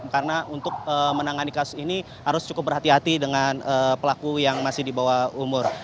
karena untuk menangani kasus ini harus cukup berhati hati dengan pelaku yang masih di bawah umur